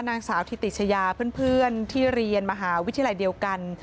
นางสาวธิติชยาเพื่อนที่เรียนมหาวิทยาลัยเดียวกัน